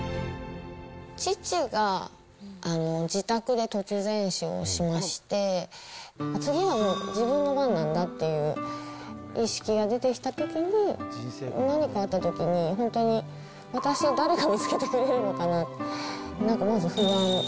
父が自宅で突然死をしまして、次はもう自分の番なんだっていう意識が出てきたときに、何かあったときに、本当に私を誰が見つけてくれるのかなって。